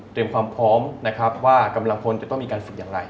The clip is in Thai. ความพร้อมนะครับว่ากำลังพลจะต้องมีการฝึกอย่างไร